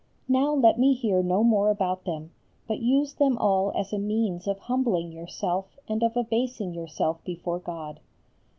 Now let me hear no more about them, but use them all as a means of humbling yourself and of abasing yourself before God.